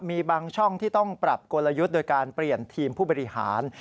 มีบางช่องที่ต้องปรับกลยุทธ์โดยการเปลี่ยนทีมผู้บริหาร